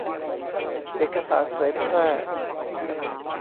เอกสารเผยแพร่